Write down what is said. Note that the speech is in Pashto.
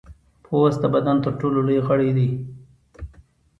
پوست د بدن تر ټولو لوی غړی دی.